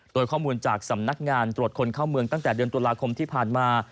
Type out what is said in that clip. โดยข้อมูลจากสำนักงานตรวจคนเข้าเมืองตั้งแต่เดือนตุลาคมที่ผ่านมา